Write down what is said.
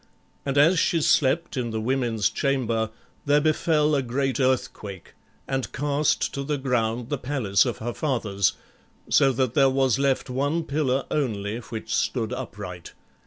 And as she slept in the women's chamber there befell a great earthquake, and cast to the ground the palace of her fathers, so that there was left one pillar only which stood upright.